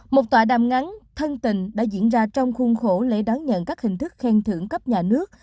một tòa đàm ngắn thân tình đã diễn ra trong khuôn khổ lễ đón nhận các hình thức khen thưởng cấp nhà nước